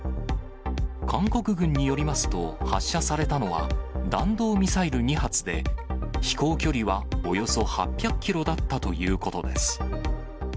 韓国軍によりますと、発射されたのは、弾道ミサイル２発で、飛行距離はおよそ８００キロだったということです。